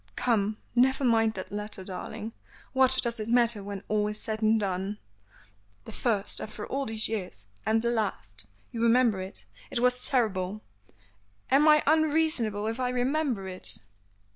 "Come, never mind that letter, darling; what does it matter when all is said and done?" "The first after all these years; and the, last you remember it? It was terrible. Am I unreasonable if I remember it?"